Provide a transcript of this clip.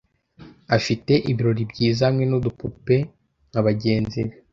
Afite ibirori byiza hamwe nudupupe nka bagenzi be